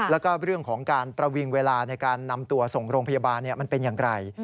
แล้วก็เรื่องของการประวิงเวลาในการนำตัวส่งโรงพยาบาลมันเป็นอย่างไร